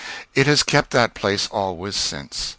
It has kept that place always since.